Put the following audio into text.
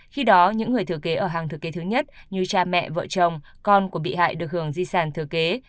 khi đó những người thừa kế ở hàng thừa kế thứ nhất như cha mẹ vợ chồng con của bị hại được hưởng di sản thừa kế